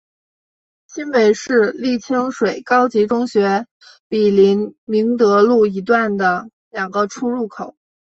新北市立清水高级中学毗邻明德路一段的两个出入口。